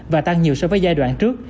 và tăng nhiều so với giai đoạn trước